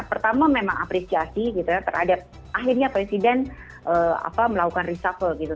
pertama memang apresiasi gitu ya terhadap akhirnya presiden melakukan reshuffle gitu